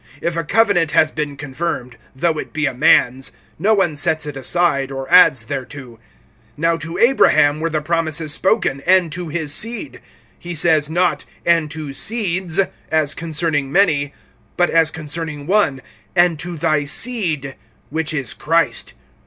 If a covenant has been confirmed, though it be a man's, no one sets it aside, or adds thereto. (16)Now to Abraham were the promises spoken, and to his seed. He says not, and to seeds, as concerning many; but as concerning one, and to thy seed, which is Christ.